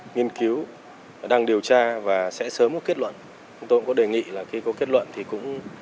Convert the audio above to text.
nghiên cứu đang điều tra và sẽ sớm có kết luận chúng tôi cũng có đề nghị là khi có kết luận thì cũng